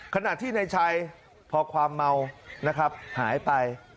ขณะที่ในชัยพอความเมานะครับหายไป